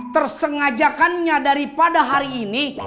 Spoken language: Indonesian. tersengajakannya daripada hari ini